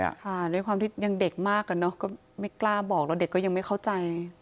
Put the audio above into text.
ค่ะด้วยความที่ยังเด็กมากอะเนาะก็ไม่กล้าบอกแล้วเด็กก็ยังไม่เข้าใจ